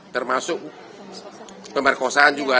termasuk pembarkosaan juga ada